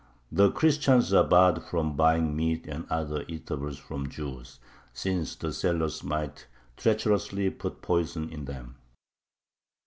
The Christians are barred from buying meat and other eatables from Jews, since the sellers might treacherously put poison in them.